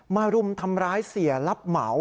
รุมทำร้ายเสียรับเหมา